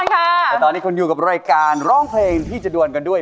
แต่ตอนนี้ควรอยู่กับร่องเพลงที่จะด่วนกันด้วย